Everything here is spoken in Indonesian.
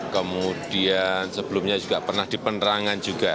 kemudian sebelumnya juga pernah di penerangan juga